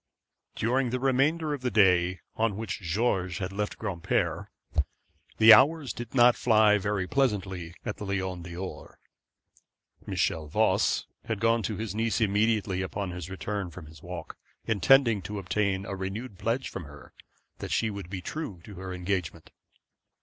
During the remainder of the day on which George had left Granpere, the hours did not fly very pleasantly at the Lion d'Or. Michel Voss had gone to his niece immediately upon his return from his walk, intending to obtain a renewed pledge from her that she would be true to her engagement.